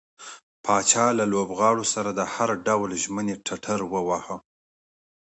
پاچا له لوبغاړو سره د هر ډول ژمنې ټټر واوهه.